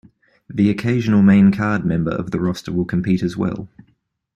The occasional main card member of the roster will compete as well.